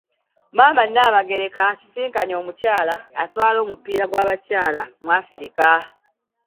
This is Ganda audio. Maama Nnaabagereka asisinkanye omukyala atwala omupiira gw'abakyala mu Afirika.